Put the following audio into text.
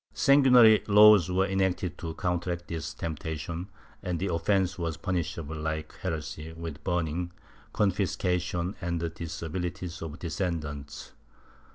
Sanguinary laws were enacted to counteract this temptation, and the offence was punish able, like heresy, with burning, confiscation and the disabilities of descendants.